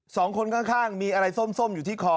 สองคนข้างมีอะไรส้มอยู่ที่คอ